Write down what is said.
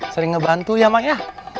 sering ngebantu ya mak ya